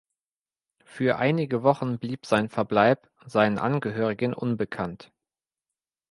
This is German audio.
Für einige Wochen blieb sein Verbleib seinen Angehörigen unbekannt.